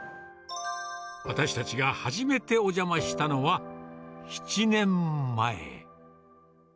私たちが初めてお邪魔したのは７年前。